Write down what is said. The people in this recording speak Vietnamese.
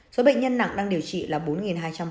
số bệnh nhân nặng đang điều trị là bốn hai trăm bốn mươi sáu ca